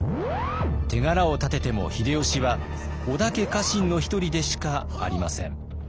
手柄を立てても秀吉は織田家家臣の一人でしかありません。